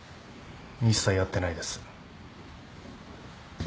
一切会ってないです。